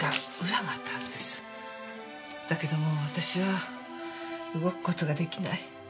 だけど私は動く事ができない。